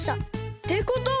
ってことは。